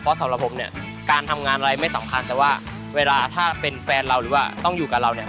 เพราะสำหรับผมเนี่ยการทำงานอะไรไม่สำคัญแต่ว่าเวลาถ้าเป็นแฟนเราหรือว่าต้องอยู่กับเราเนี่ย